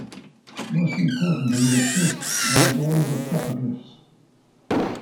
Most importantly, the cists are adorned with petroglyphs.